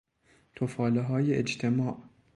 تفالههای اجتماع